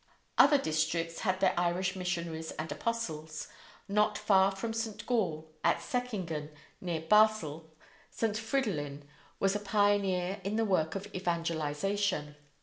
Other districts had their Irish missionaries and apostles. Not far from St. Gall, at Seckingen, near Basle, St. Fridolin was a pioneer in the work of evangelization.